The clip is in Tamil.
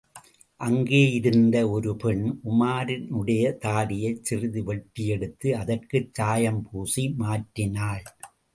அங்கேயிருந்த ஒருபெண், உமாரினுடைய தாடியைச் சிறிது வெட்டி யெடுத்து அதற்குச் சாயம் பூசி மாற்றினாள்.